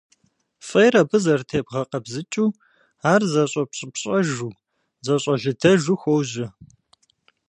Фӏейр абы зэрытебгъэкъэбзыкӏыу, ар зэщӏэпщӏыпщӏэжу, зэщӏэлыдэжу хуожьэ.